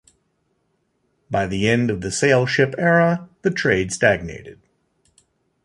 By the end of the sail ship era, the trade stagnated.